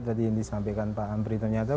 tadi yang disampaikan pak amri ternyata